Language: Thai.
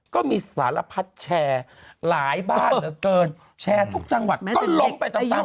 ก็มีสารพัดแชร์หลายบ้านเหลือเกินแชร์ทุกจังหวัดก็ล้มไปตาม